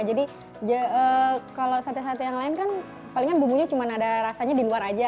jadi kalau sate sate yang lain kan palingan bumbunya cuma ada rasanya di luar aja